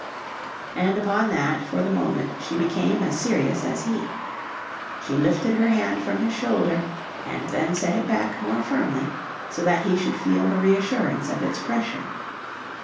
And upon that, for the moment, she became as serious as he. She lifted her hand from his shoulder and then set it back more firmly, so that he should feel the reassurance of its pressure.